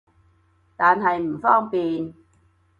但係唔方便